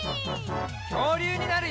きょうりゅうになるよ！